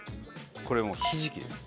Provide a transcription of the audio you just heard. これもうひじきです。